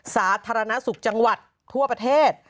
สาธารณสุขจังหวัดทั่วประเทศ